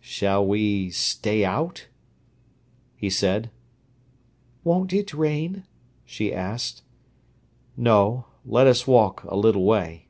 "Shall we stay out?" he said. "Won't it rain?" she asked. "No, let us walk a little way."